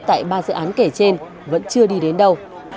tại ba dự án kể trên vẫn chưa đi đến đâu